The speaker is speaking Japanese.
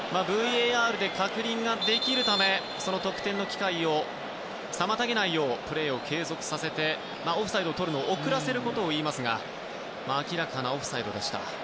ＶＡＲで確認ができるため得点機会を妨げないようプレーを継続させてオフサイドをとるのを遅らせることをいいますが明らかなオフサイドでした。